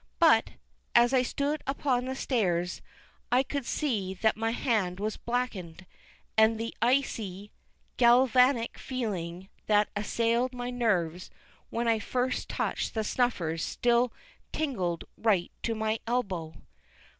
But, as I stood upon the stairs, I could see that my hand was blackened; and the icy, galvanic feeling that assailed my nerves when I first touched the snuffers still tingled right to my elbow.